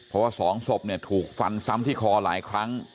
เพราะว่าสองศพเนี่ยถูกฟันซ้ำที่คอหลายครั้ง